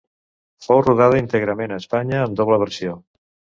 Fou rodada íntegrament a Espanya en doble versió.